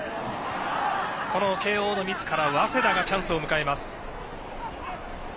この慶応のミスから早稲田がチャンスを迎えます。